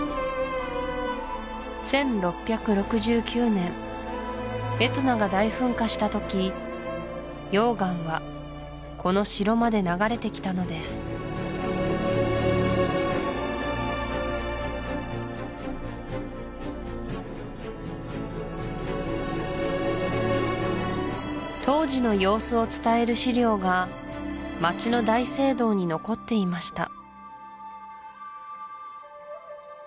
１６６９年エトナが大噴火した時溶岩はこの城まで流れてきたのです当時の様子を伝える資料が街の大聖堂に残っていました